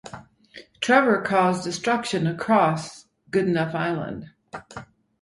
Trevor caused destruction across Goodenough Island.